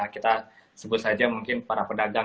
kita sebut saja mungkin para pedagang